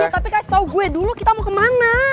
tapi kasih tau gue dulu kita mau kemana